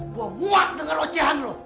gue muak dengan lo jehan lu